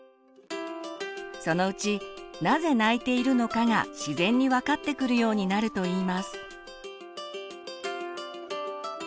そのうちなぜ泣いているのかが自然に分かってくるようになるといいます。